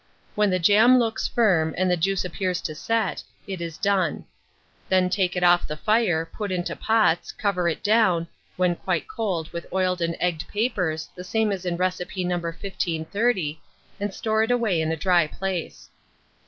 When the jam looks firm, and the juice appears to set, it is done. Then take it off the fire, put into pots, cover it down, when quite cold, with oiled and egged papers, the same as in recipe No. 1530, and store it away in a dry place.